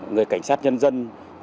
người cảnh sát nhân dân